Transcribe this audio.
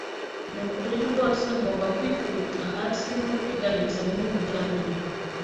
Nukuri rwose ngomba kwikubita hasi no kwiga ibizamini byanyuma.